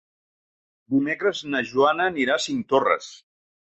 Dimecres na Joana anirà a Cinctorres.